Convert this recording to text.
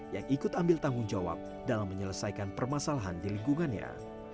yang ikut ambil tanggung jawab dalam menyelesaikan permasalahan di lingkungannya